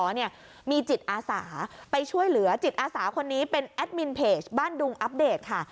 เนี่ยมีจิตอาสาไปช่วยเหลือจิตอาสาคนนี้เป็นแอดมินเพจบ้านดุงอัปเดตค่ะ